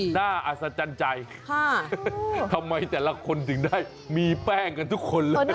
อัศจรรย์ใจทำไมแต่ละคนถึงได้มีแป้งกันทุกคนเลย